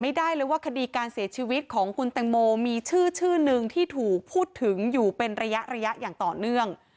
ไม่ได้เลยว่าคดีการเสียชีวิตของคุณแตงโมมีชื่อชื่อหนึ่งที่ถูกพูดถึงอยู่เป็นระยะระยะอย่างต่อเนื่อง